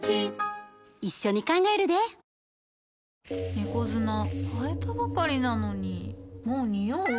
猫砂替えたばかりなのにもうニオう？